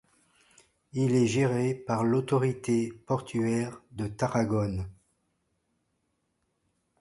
Il est géré par l'autorité portuaire de Tarragone.